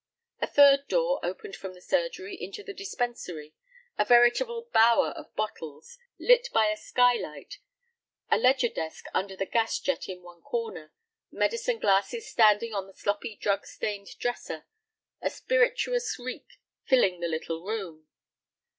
A third door opened from the surgery into the dispensary, a veritable bower of bottles, lit by a skylight, a ledger desk under the gas jet in one corner, medicine glasses standing on the sloppy drug stained dresser, a spirituous reek filling the little room.